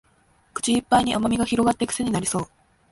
口いっぱいに甘味が広がってクセになりそう